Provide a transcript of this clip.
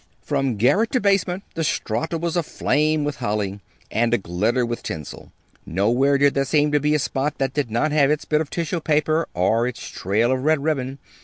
From garret to basement the Strata was aflame with holly, and aglitter with tinsel. Nowhere did there seem to be a spot that did not have its bit of tissue paper or its trail of red ribbon.